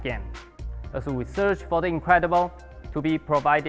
kami mencari yang luar biasa untuk diberikan kepada anda